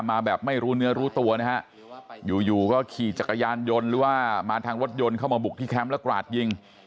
มาแบบไม่รู้เนื้อรู้ตัวนะฮะอยู่อยู่ก็ขี่จักรยานยนต์หรือว่ามาทางรถยนต์เข้ามาบุกที่แคมป์แล้วกราดยิง